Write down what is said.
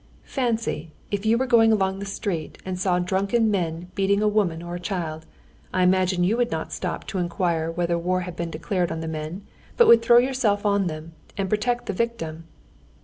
Fancy, if you were going along the street and saw drunken men beating a woman or a child—I imagine you would not stop to inquire whether war had been declared on the men, but would throw yourself on them, and protect the victim."